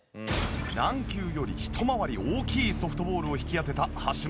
軟球よりひと回り大きいソフトボールを引き当てた橋本涼。